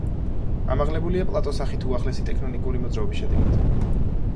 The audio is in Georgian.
ამაღლებულია პლატოს სახით უახლესი ტექტონიკური მოძრაობის შედეგად.